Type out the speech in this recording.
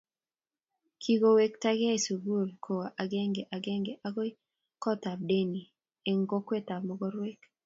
Kingowektakei sukul kowo agenge agenge agoi gotab Deni eng kokwetab mogorek